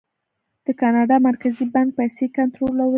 د کاناډا مرکزي بانک پیسې کنټرولوي.